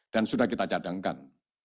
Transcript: dan sudah kita cadangkan